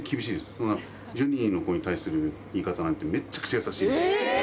１２人の子に対する言い方なんて、めっちゃくちゃ優しいです。